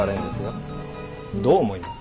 どう思います？